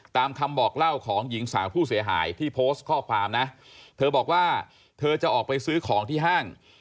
ตามคำบอกเล่าของหญิงสาวผู้เสียหายที่โพสต์ข้อความนะเธอบอกว่าเธอจะออกไปซื้อของที่ห้าง